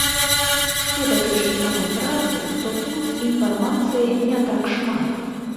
Што датычыць самой працы, то тут інфармацыі не так шмат.